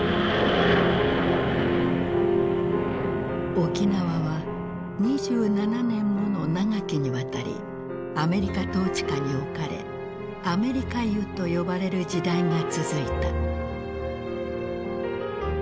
沖縄は２７年もの長きにわたりアメリカ統治下に置かれ「アメリカ世」と呼ばれる時代が続いた。